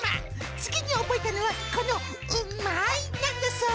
次に覚えたのはこのうんまーいなんだそう。